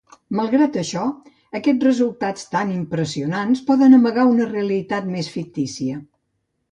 Malgrat això, aquests resultats tan impressionants poden amagar una realitat més fictícia.